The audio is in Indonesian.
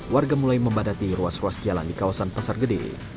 warga mulai membadati ruas ruas jalan di kawasan pasar gede